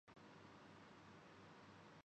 'تو شاہین ہے۔